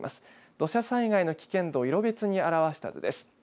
土砂災害の危険度色別に表した図です。